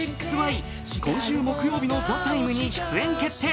今週木曜日の「ＴＨＥＴＩＭＥ，」に出演決定。